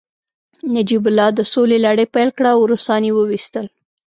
نجیب الله د سولې لړۍ پیل کړه او روسان يې وويستل